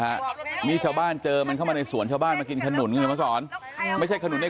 ไอ้นี่ครับจับมาแล้วปีกบมาเร็วปีกบมาเร็วอื้อ